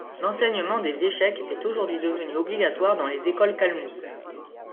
L'enseignement des échecs est aujourd'hui devenu obligatoire dans les écoles kalmoukes.